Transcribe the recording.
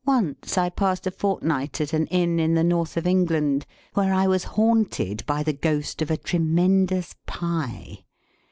Once I passed a fortnight at an Inn in the North of England, where I was haunted by the ghost of a tremendous pie.